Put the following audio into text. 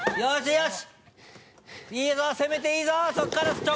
よし！